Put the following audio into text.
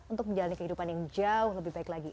untuk menjalani kehidupan yang jauh lebih baik lagi